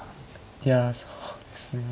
いやそうですね。